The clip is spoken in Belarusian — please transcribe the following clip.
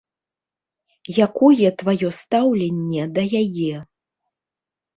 Якое тваё стаўленне да яе?